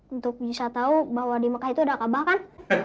untuk bisa tahu bahwa di mekah itu ada kabah kan